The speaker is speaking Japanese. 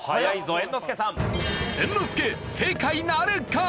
猿之助正解なるか！？